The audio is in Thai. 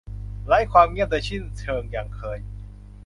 ไร้ความเงียบโดยสิ้นเชิง อย่างเคย